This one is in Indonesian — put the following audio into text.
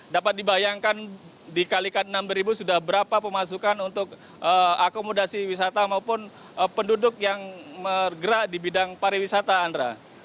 dapat dibayangkan dikalikan enam sudah berapa pemasukan untuk akomodasi wisata maupun penduduk yang bergerak di bidang pariwisata andra